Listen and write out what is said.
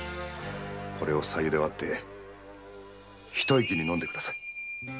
これを白湯で割って一息に飲んでください。